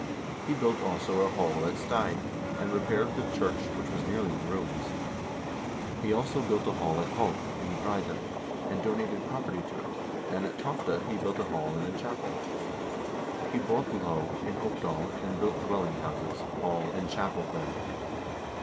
He built, also, a hall at Steig, and repaired the church, which was nearly in ruins. He also built a hall at Hov, in Breiden, and donated property to it, and at Tofte he built a hall and a chapel. He bought Lo, in Opdal, and built dwelling houses, hall, and chapel there.